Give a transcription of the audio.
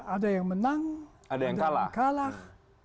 ada yang menang ada yang kalah kalah